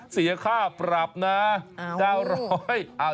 เสียค่าปรับนะ